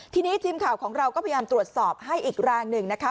ทีนี้ทีมข่าวของเราก็พยายามตรวจสอบให้อีกรางหนึ่งนะคะ